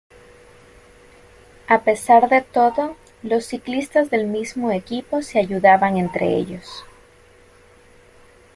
A pesar de todo, los ciclistas del mismo equipo se ayudaban entre ellos.